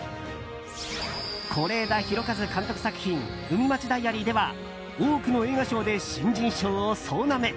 是枝裕和監督作品「海街ｄｉａｒｙ」では多くの映画賞で新人賞を総なめ。